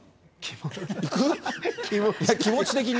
気持ち的に。